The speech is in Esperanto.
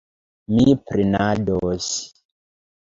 Mi prenados.